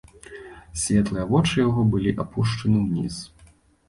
Светлыя вочы яго былі апушчаны ўніз.